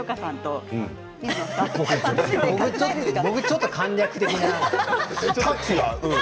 僕ちょっとタッチが簡略的な。